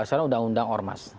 soalnya undang undang ormas